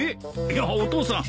いやお父さん